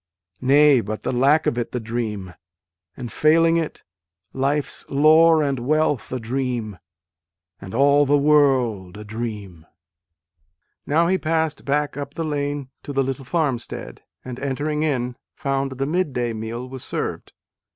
Nay but the lack of it the dream, And failing it life s lore and wealth a dream, And all the world a dream. Now he passed back up the lane to the little farmstead, and, entering in, found the midday meal was served.